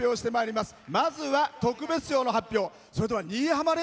まずは、特別賞の発表。